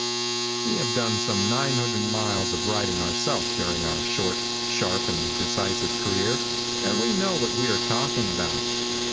We have done some 900 miles of writing ourself during our short, sharp and decisive career, and we know what we are talking about.